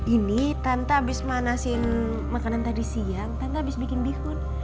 ini tante abis manasin makanan tadi siang tante abis bikin bihun